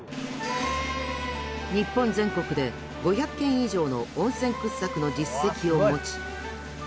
日本全国で５００件以上の温泉掘削の実績を持ち。